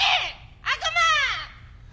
悪魔！